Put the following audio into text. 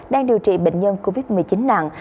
đang điều trị bệnh nhân covid một mươi chín nặng